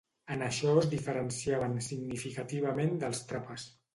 En això es diferenciaven significativament dels Trapas.